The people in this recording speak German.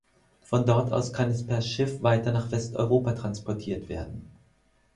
Von dort aus kann es per Schiff weiter nach Westeuropa transportiert werden.